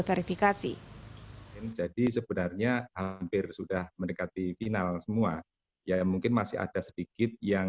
verifikasi jadi sebenarnya hampir sudah mendekati final semua ya mungkin masih ada sedikit yang